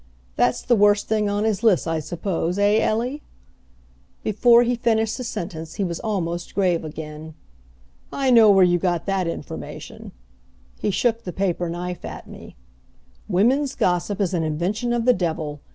That's the worst thing on his list, I suppose, eh, Ellie?" Before he finished the sentence he was almost grave again. "I know where you got that information." He shook the paper knife at me. "Women's gossip is an invention of the devil!